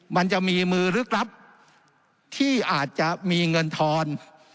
มันจะมีมือลึกลับที่อาจจะมีเงินทอน